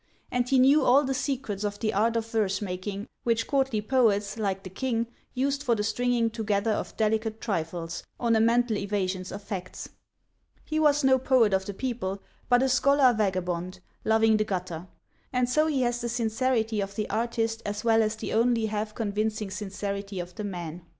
And he knew all the secrets of the art of verse making which courtly poets, like the King, used for the stringing together of delicate trifles, ornamental evasions of facts. He was no poet of the people, but a scholar vagabond, loving the gutter; and so he has the sincerity of the artist as well as the only half convincing sincerity of the man.